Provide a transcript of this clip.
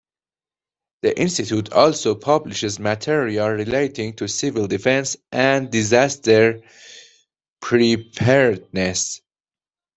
The institute also publishes material relating to civil defense and disaster preparedness.